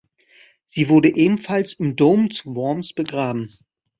Sie wurde ebenfalls im Dom zu Worms begraben.